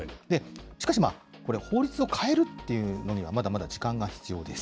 しかし、これ、法律を変えるっていうのには、まだまだ時間が必要です。